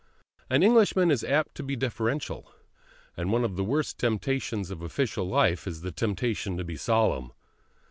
An Englishman is apt to be deferential, and one of the worst temptations of official life is the temptation to be solemn.